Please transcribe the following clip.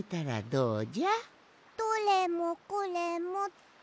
どれもこれもって？